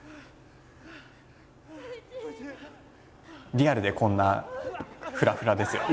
リアルでこんなフラフラですよね。